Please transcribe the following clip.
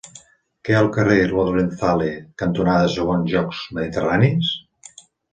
Què hi ha al carrer Lorenzale cantonada Segons Jocs Mediterranis?